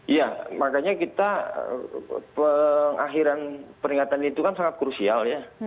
iya makanya kita pengakhiran peringatan itu kan sangat krusial ya